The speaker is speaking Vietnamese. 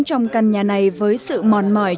trong căn nhà này với sự mòn mỏi